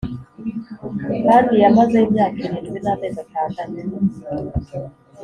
Kandi yamazeyo imyaka irindwi n amezi atandatu